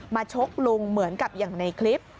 ชกลุงเหมือนกับอย่างในคลิป